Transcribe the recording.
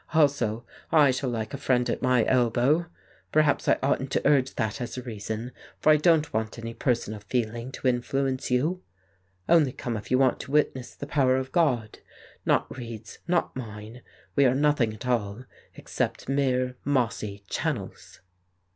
Also I shall like a friend at my elbow. Perhaps I oughtn't to urge that as a reason, for I don't want any personal feeling to influence you. Only come if you want to witness the power of God, not Reid's, not mine ; we are nothing at all except mere mossy channels."